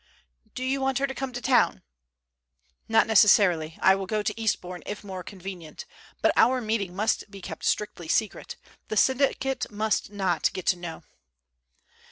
"Do you want her to come to town?" "Not necessarily; I will go to EASTBOURNE if more convenient. But our meeting must be kept strictly secret. The syndicate must not get to know."